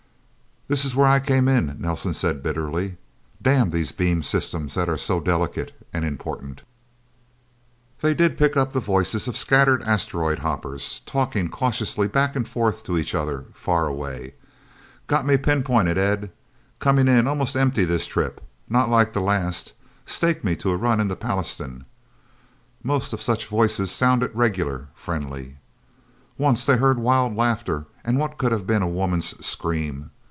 "This is where I came in," Nelsen said bitterly. "Damn these beam systems that are so delicate and important!" They did pick up the voices of scattered asteroid hoppers, talking cautiously back and forth to each other, far away. "... Got me pinpointed, Ed? Coming in almost empty, this trip. Not like the last... Stake me to a run into Pallastown...?" Most of such voices sounded regular, friendly. Once they heard wild laughter, and what could have been a woman's scream.